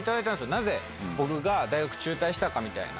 なぜ、僕が大学中退したかみたいな。